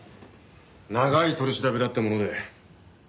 長い取り調べだったもので。